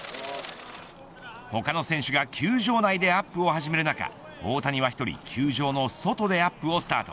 他の選手が球場内でアップを始める中大谷は１人球場の外でアップをスタート。